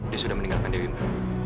dia sudah meninggalkan dewi